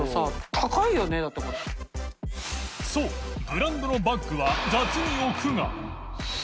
磴修ブランドのバッグは雑に置くが鵐瀬